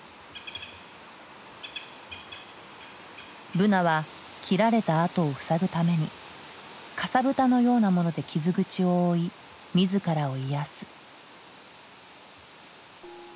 ブナは切られた跡を塞ぐためにかさぶたのようなもので傷口を覆い自らを癒やす。